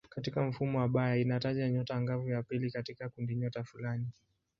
Katika mfumo wa Bayer inataja nyota angavu ya pili katika kundinyota fulani.